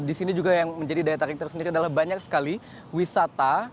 di sini juga yang menjadi daya tarik tersendiri adalah banyak sekali wisata